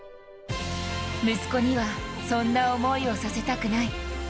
息子には、そんな思いをさせたくない。